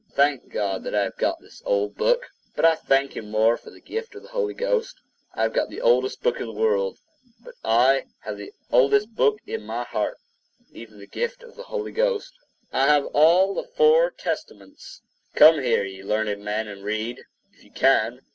I thank God that I have got this old book; but I thank him more for the gift of the Holy Ghost. I have got the oldest book in the world; but I [also] have the oldest book in my heart, even the gift of the Holy Ghost. I have all the four Testaments. Come here, ye learned men, and read, if you can.